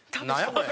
これ。